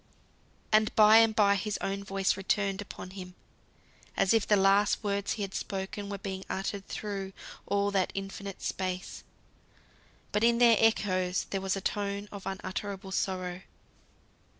And by and by his own voice returned upon him, as if the last words he had spoken were being uttered through all that infinite space; but in their echoes there was a tone of unutterable sorrow.